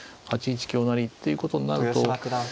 ８一香成っていうことになると。